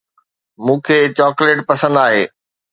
مون کي چاڪليٽ پسند آهي